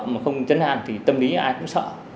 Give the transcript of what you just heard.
mà không chấn an thì tâm lý ai cũng sợ